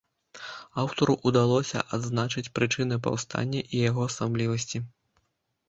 Аўтару ўдалося адзначыць прычыны паўстання і яго асаблівасці.